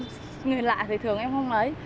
vì em người lạ thì thường em không lấy